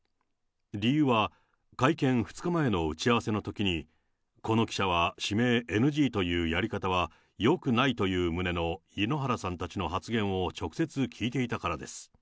理由は会見２日前の打ち合わせのときに、この記者は指名ＮＧというやり方はよくないという旨の井ノ原さんたちの発言を直接聞いていたからです。